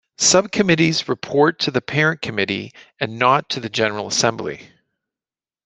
Subcommittees report to the parent committee and not to the general assembly.